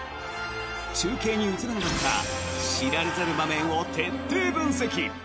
中継に映らなかった知られざる場面を徹底分析。